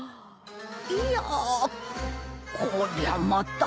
いやぁこりゃまた。